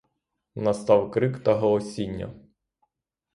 Настав крик та голосіння.